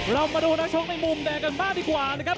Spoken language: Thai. เรามาดูนักชกในมุมแดงกันบ้างดีกว่านะครับ